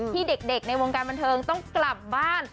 ที่เด็กในวงการบันเทิงต้องกลับบ้าน